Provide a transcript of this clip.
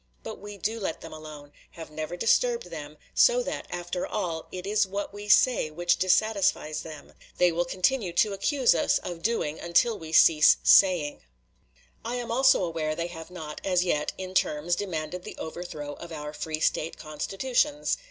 But we do let them alone have never disturbed them; so that, after all, it is what we say which dissatisfies them. They will continue to accuse us of doing until we cease saying. I am also aware they have not, as yet, in terms, demanded the overthrow of our free State constitutions.